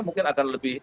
mungkin akan lebih